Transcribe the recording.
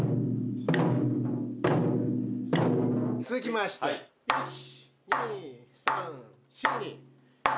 続きまして１２３４。